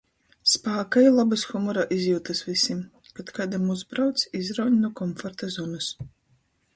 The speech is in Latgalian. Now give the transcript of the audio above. Spāka i lobys humora izjiutys vysim!. Kod kaidam "uzbrauc", izrauņ nu komforta zonys.